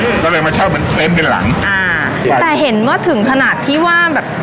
อืมก็เลยมาเช่าเหมือนเต็มเป็นหลังอ่าแต่เห็นว่าถึงขนาดที่ว่าแบบ